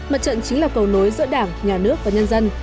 mặt trận chính là cầu nối giữa đảng nhà nước và nhân dân